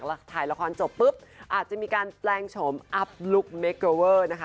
ถ่ายละครจบปุ๊บอาจจะมีการแปลงโฉมอัพลุคเมเกอเวอร์นะคะ